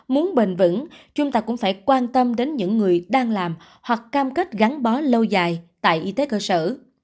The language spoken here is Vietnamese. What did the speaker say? muốn bền vững chúng ta cũng phải quan tâm đến những người đang làm hoặc cam kết gắn bó lâu dài tại y tế cơ sở